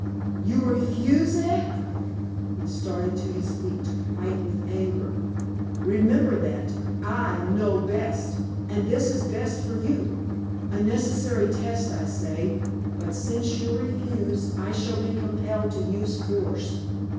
"You refuse, eh?" He started to his feet, white with anger. "Remember that I know best, and this is best for you, a necessary test, I say. But since you refuse, I shall be compelled to use force."